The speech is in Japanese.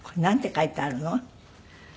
書いてあるの？